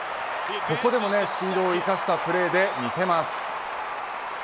ここでもスピードを生かしたプレーで見せます。